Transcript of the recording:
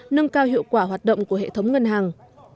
nâng cao hiệu quả hoạt động của hệ thống ngân hàng